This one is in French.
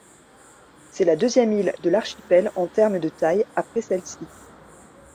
C'est la deuxième île de l'archipel en termes de taille après celle-ci.